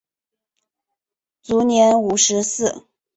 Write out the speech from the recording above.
卒年五十四。